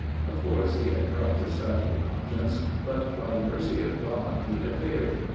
Of course he had tried to stifle conscience, but by the mercy of God he had failed.